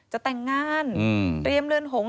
จะแต่งงานเตรียมเรือนหง